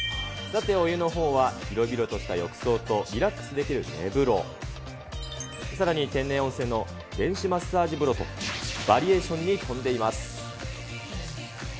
さて、お湯のほうは広々とした浴槽と、リラックスできる寝風呂、さらに天然温泉の電子マッサージ風呂と、バリエーションに富んでいます。